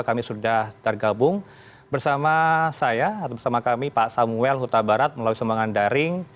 kami sudah tergabung bersama saya atau bersama kami pak samuel huta barat melalui sumbangan daring